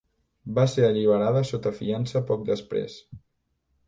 Va ser alliberada sota fiança poc després.